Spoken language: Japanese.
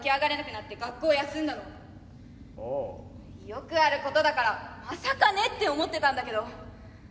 よくあることだからまさかねって思ってたんだけど。